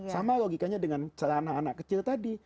sama logikanya dengan celana anak kecil tadi